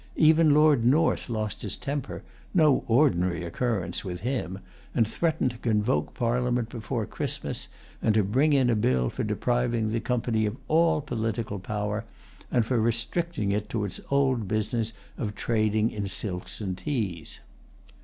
Even Lord North lost his temper, no ordinary occurrence with him, and threatened to convoke Parliament before Christmas, and to bring in a bill for depriving the Company of all political power, and for restricting it to its old business of trading in silks and teas.